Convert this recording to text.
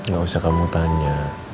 gak usah kamu tanya